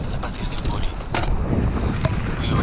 د خنډونو لري کول ډېر ضروري دي.